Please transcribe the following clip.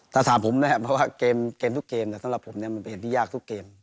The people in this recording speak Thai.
ถ้าถามผมนะครับเพราะว่าเกมทุกเกมสำหรับผมเนี่ยมันเป็นเหตุที่ยากทุกเกม